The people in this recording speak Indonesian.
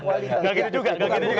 nggak gitu juga gak gitu juga